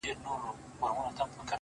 مینه کي اور بلوې ما ورته تنها هم پرېږدې-